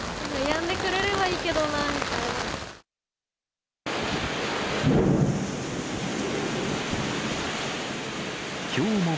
やんでくれればいいけどなみたいな。